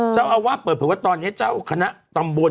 เจ้าอาวาสเปิดเผยว่าตอนนี้เจ้าคณะตำบล